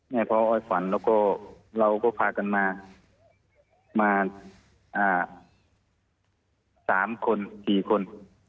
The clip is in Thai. แม่พ่ออ้อยฝันเราก็พากันมา๓๔คน